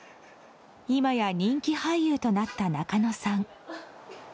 今や人気俳優となった仲野さん。